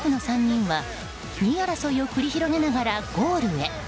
画面奥の３人は２位争いを繰り広げながらゴールへ。